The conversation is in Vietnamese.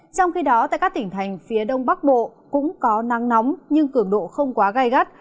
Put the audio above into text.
trong khi đó tại các tỉnh thành phía đông bắc bộ cũng có nắng nóng nhưng cường độ không quá gai gắt